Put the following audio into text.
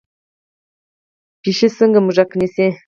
پیشو څنګه موږک نیسي؟